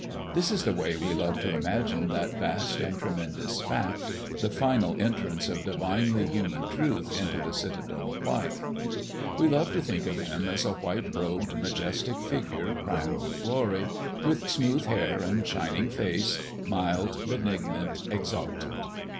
This is the way we love to imagine that vast and tremendous fact the final entrance of divinely human truth into the citadel of life. We love to think of Him as a white robed, majestic figure crowned with glory, with smooth hair and shining face mild, benignant, exalted.